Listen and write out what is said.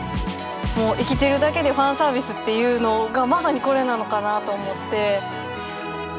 もう生きてるだけでファンサービスっていうのがまさにこれなのかなと思って。